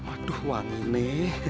aduh wang ini